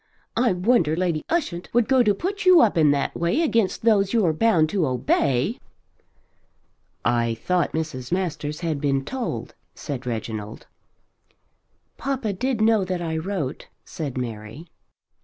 I wonder Lady Ushant would go to put you up in that way against those you're bound to obey." "I thought Mrs. Masters had been told," said Reginald. "Papa did know that I wrote," said Mary.